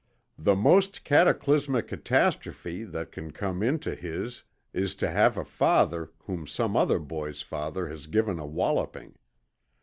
The most cataclysmic catastrophe that cam come into his is to have a father whom some other boy's father has given a walloping.